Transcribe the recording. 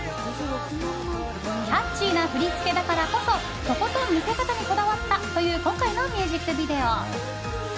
キャッちーな振り付けだからこそとことん魅せ方にこだわったという今回のミュージックビデオ。